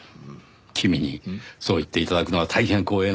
君にそう言って頂くのは大変光栄なんですがね